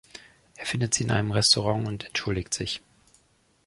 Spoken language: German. Er findet sie in einem Restaurant und entschuldigt sich.